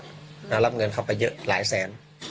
อืมแล้วรับเงินเขาไปเยอะหลายแสน